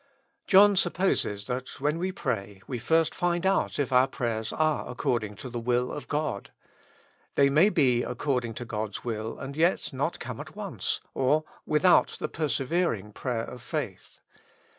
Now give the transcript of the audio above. John supposes that when we pray, we first find out if our prayers are according to the will of God. They may be according to God's will, and yet not come at once, or without the perse vering prayer of faith.